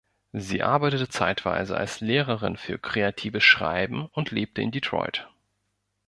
Sie arbeitete zeitweise als Lehrerin für Kreatives Schreiben und lebte in Detroit.